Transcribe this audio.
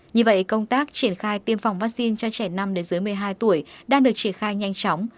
như vậy công tác triển khai tiêm phòng vaccine cho trẻ năm đến dưới một mươi hai tuổi đang được triển khai nhanh chóng